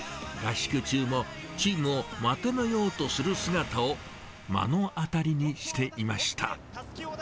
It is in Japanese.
合宿中も、チームをまとめようとする姿を目の当たりにしていました。